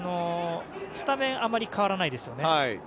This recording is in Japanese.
スタメンあまり変わらないですよね。